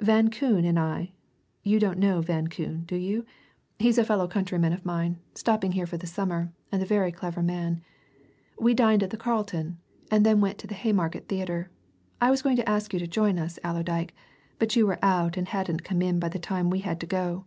Van Koon and I (you don't know Van Koon, do you? he's a fellow countryman of mine, stopping here for the summer, and a very clever man) we dined at the Carlton, and then went to the Haymarket Theatre. I was going to ask you to join us, Allerdyke, but you were out and hadn't come in by the time we had to go."